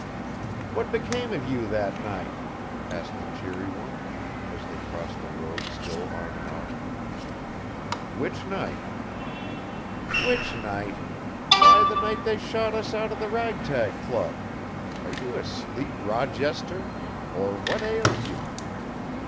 "What became of you that night?" asked the cheery one, as they crossed the road still arm in arm. "Which night?" "Which night? Why the night they shot us out of the Rag Tag Club. Are you asleep, Rawjester or what ails you?"